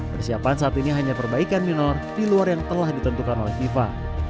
persiapan saat ini hanya perbaikan minor di luar yang telah ditentukan oleh fifa